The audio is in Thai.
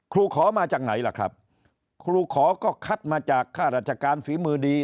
ครูขอมาจากไหนล่ะครับครูขอก็คัดมาจากค่าราชการฝีมือดี